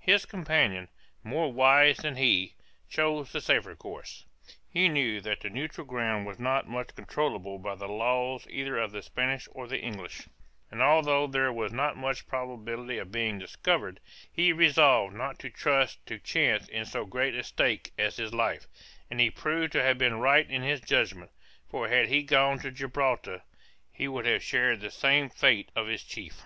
His companion, more wise than he, chose the safer course; he knew that the neutral ground was not much controllable by the laws either of the Spanish or the English, and although there was not much probability of being discovered, he resolved not to trust to chance in so great a stake as his life; and he proved to have been right in his judgment, for had he gone to Gibraltar, he would have shared the same fate of his chief.